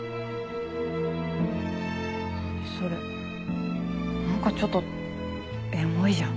それなんかちょっとエモいじゃん。